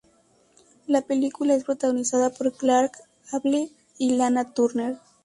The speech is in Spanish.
La película es protagonizada por Clark Gable y Lana Turner.